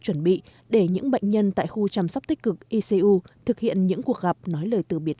chuẩn bị để những bệnh nhân tại khu chăm sóc tích cực icu thực hiện những cuộc gặp nói lời từ biệt